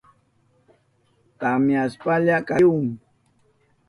Tamyashpalla katihun.